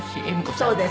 そうです。